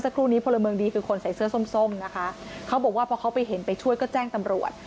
คนใส่เสื้อส้มส้มนะคะเขาบอกว่าพอเขาไปเห็นไปช่วยก็แจ้งตำรวจ